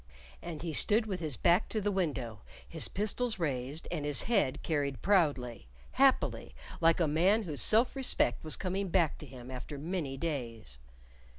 And he stood with his back to the window, his pistols raised, and his head carried proudly happily like a man whose self respect was coming back to him after many days.